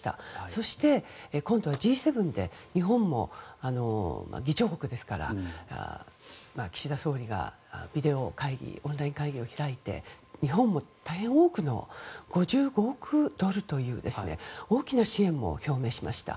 そして、今度はＧ７で日本も議長国ですから岸田総理がビデオ会議オンライン会議を開いて日本も大変多くの５５億ドルという大きな支援を表明しました。